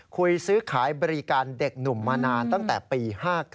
คุยซื้อขายบริการเด็กหนุ่มมานานตั้งแต่ปี๕๙